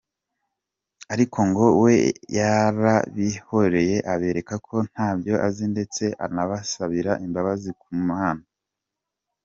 Ariko ngo we yarabihoreye abereka ko ntabyo azi ndetse anabasabira imbabazi ku Mana.